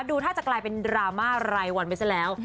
ดูถ้าจะกลายเป็นดราม่ารายวันไปซะแล้ว